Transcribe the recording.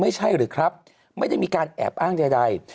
ไม่ใช่หรือครับไม่ได้มีการแอบอ้างใด